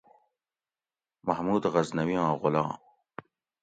محمود غزنوی آں غلام